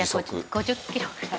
５０キロくらい。